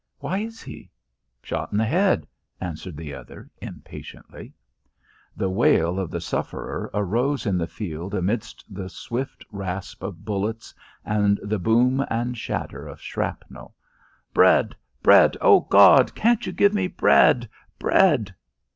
"Why is he?" "Shot in th' head," answered the other, impatiently. The wail of the sufferer arose in the field amid the swift rasp of bullets and the boom and shatter of shrapnel. "Bread! Bread! Oh, God, can't you give me bread? Bread!"